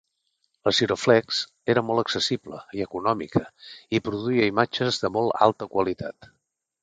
La Ciro-flex era molt accessible i econòmica i produïa imatges de molt alta qualitat.